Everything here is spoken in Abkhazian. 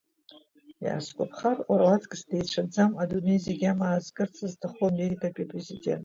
Иаасгәаԥхар, уара уаҵкыс деицәаӡам адунеи зегь амаа зкырц зҭаху Америкатәи Апрезидент.